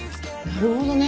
なるほどね。